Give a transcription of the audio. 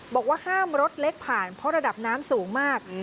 บอกว่าห้ามรถเล็กผ่านเพราะระดับน้ำสูงมาก